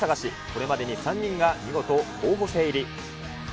これまでに３人が見事、候補生入り。